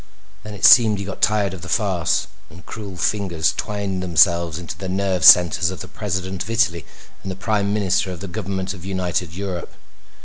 Then it seemed he got tired of the farce, and cruel fingers twined themselves into the nerve centers of the President of Italy and the Prime Minister of the government of United Europe.